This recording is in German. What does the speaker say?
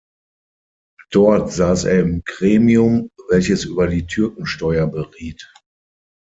Dort saß er im Gremium, welches über die Türkensteuer beriet.